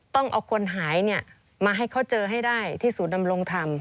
ต้องเอาคนหายมาให้เขาเจอให้ได้ที่ศูนย์ดำรงธรรม